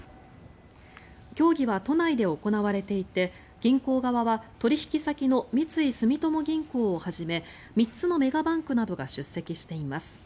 協議は都内で行われていて銀行側は取引先の三井住友銀行をはじめ３つのメガバンクなどが出席しています。